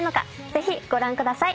ぜひご覧ください。